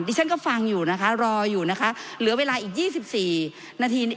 ดิฉันก็ฟังอยู่นะคะรออยู่นะคะเหลือเวลาอีกยี่สิบสี่นาที